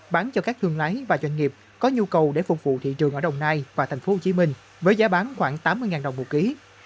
bán cho các thương lái và doanh nghiệp có nhu cầu để phục vụ thị trường ở đồng nai và tp hcm với giá bán khoảng tám mươi đồng một ký